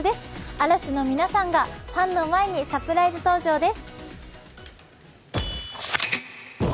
嵐の皆さんがファンの前にサプライズ登場です。